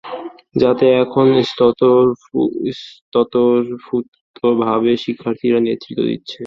যাতে এখন স্বতঃস্ফূর্তভাবে শিক্ষার্থীরা নেতৃত্ব দিচ্ছে।